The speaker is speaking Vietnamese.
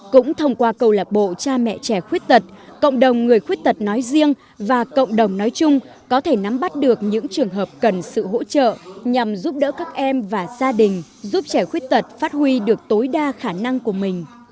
cũng thông qua câu lạc bộ cha mẹ trẻ khuyết tật cộng đồng người khuyết tật nói riêng và cộng đồng nói chung có thể nắm bắt được những trường hợp cần sự hỗ trợ nhằm giúp đỡ các em và gia đình giúp trẻ khuyết tật phát huy được tối đa khả năng của mình